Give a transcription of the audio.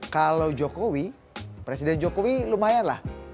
kalau jokowi presiden jokowi lumayan lah